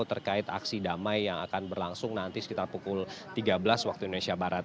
terkait aksi damai yang akan berlangsung nanti sekitar pukul tiga belas waktu indonesia barat